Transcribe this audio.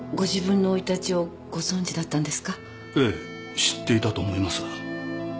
ええ知っていたと思いますが。